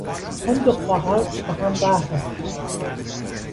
آن دو خواهر با هم قهر هستند.